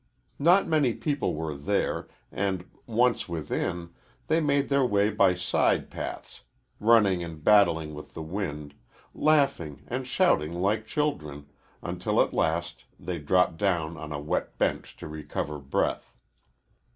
Not many people were there, and, once within, they made their way by side paths, running and battling with the wind, laughing and shouting like children, until at last they dropped down on a wet bench to recover breath.